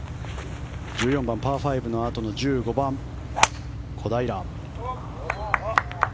１４番パー５のあとの１５番、小平。